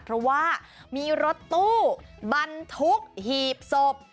เพราะว่ามีรถตู้บรรทุกหีบศพ